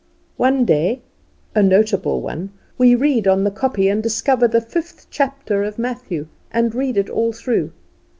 One day, a notable one, we read on the kopje, and discover the fifth chapter of Matthew, and read it all through.